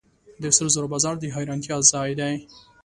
د سرو زرو بازار د حیرانتیا ځای دی.